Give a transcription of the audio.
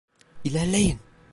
İlerleyin!